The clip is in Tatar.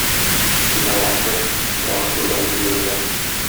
Син ялганчы, ялгыш юлдан безне йөртәсең.